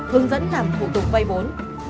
hướng dẫn làm thủ tục vay vốn